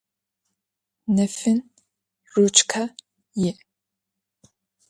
Nefın ruçke yi'.